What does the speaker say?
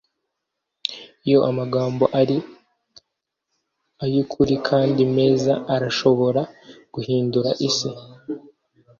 iyo amagambo ari ay'ukuri kandi meza, arashobora guhindura isi